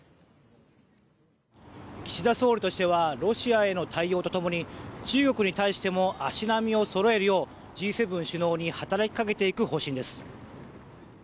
岸田総理としてはロシアへの対応と共に中国に対しても足並みをそろえるようＧ７首脳に働きかけていく方針です。